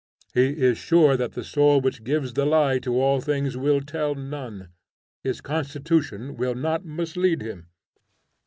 He is sure that the soul which gives the lie to all things will tell none. His constitution will not mislead him.